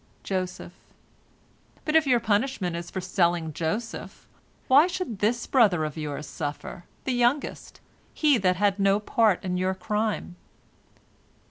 Joseph: "But if your punishment is for selling Joseph, why should this brother of yours suffer, the youngest, he that had no part in your crime.